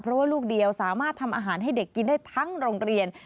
เพราะว่าลูกเดียวสามารถทำอาหารให้เด็กกินได้ทั้งโรงเรียน